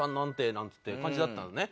なんつって感じだったのね。